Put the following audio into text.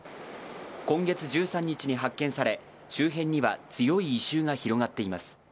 今月１３日に発見され周辺には強い異臭が広がっています。